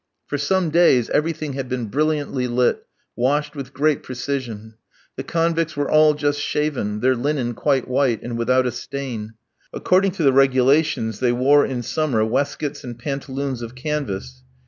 For some days everything had been brilliantly clean, washed with great precision. The convicts were all just shaven, their linen quite white and without a stain. (According to the regulations, they wore in summer waistcoats and pantaloons of canvas.